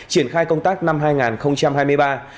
triển khai công tác năm hai nghìn hai mươi ba